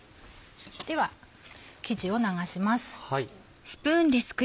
では生地を流します。